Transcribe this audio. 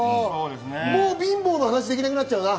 もうお貧乏の話できなくなっちゃうな。